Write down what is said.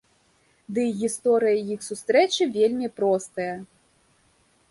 Ды і гісторыя іх сустрэчы вельмі простая.